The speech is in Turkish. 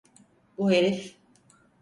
Bu herif…